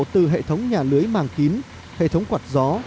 từ hệ thống nhà lưới màng kín hệ thống quạt gió